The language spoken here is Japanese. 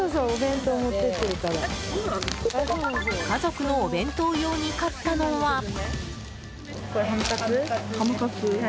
家族のお弁当用に買ったのは。